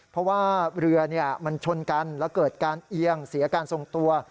เพราะว่าเรือมันชนกันแล้วเกิดการเอียงเสียการทรงตัว